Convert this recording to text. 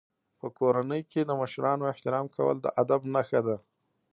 په کورنۍ کې د مشرانو احترام کول د ادب نښه ده.